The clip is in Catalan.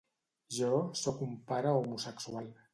Jo sóc un pare homosexual.